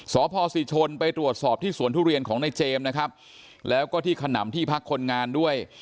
สพศิชนไปตรวจสอบที่สวนทุเรียนของในเจมส์นะครับแล้วก็ที่ขนำที่พักคนงานด้วย